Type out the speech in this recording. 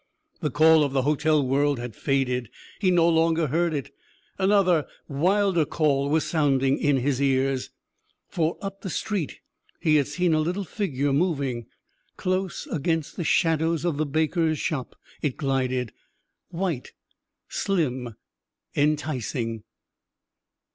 The call of the hotel world had faded. He no longer heard it. Another wilder call was sounding in his ears. For up the street he had seen a little figure moving. Close against the shadows of the baker's shop it glided white, slim, enticing.